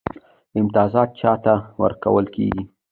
امتیازات چا ته ورکول کیږي؟